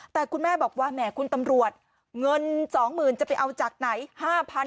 แต่คุณแม่บอกว่าแหมคุณตำรวจเงิน๒๐๐๐จะไปเอาจากไหน